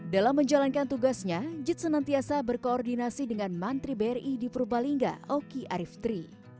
dalam menjalankan tugasnya jit senantiasa berkoordinasi dengan mantri bri di purbalingga oki ariftri